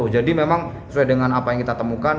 jadi memang sesuai dengan apa yang kita temukan